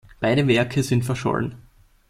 Beide Werke sind verschollen.